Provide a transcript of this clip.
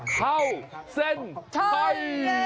เพราเซนเผย